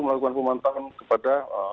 melakukan pemotongan kepada